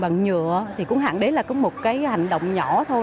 bằng bằng nhựa thì cũng hẳn đấy là có một cái hành động nhỏ thôi